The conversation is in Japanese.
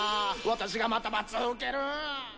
私がまた罰を受ける。